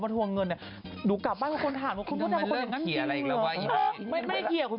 ใช่ดูกลงเอ้อพี่ไปวันไหนอย่าง